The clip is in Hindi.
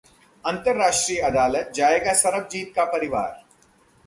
अंतरराष्ट्रीय अदालत जाएगा सरबजीत का परिवार